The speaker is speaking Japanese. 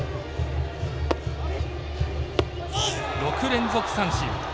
６連続三振。